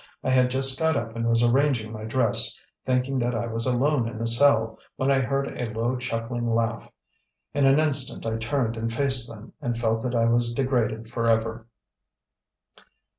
I had just got up and was arranging my dress, thinking that I was alone in the cell, when I heard a low chuckling laugh. In an instant I turned and faced them, and felt that I was degraded forever.